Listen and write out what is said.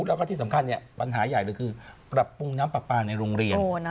แล้วก็ที่สำคัญปัญหาใหญ่เลยคือปรับปรุงน้ำปลาปลาในโรงเรียน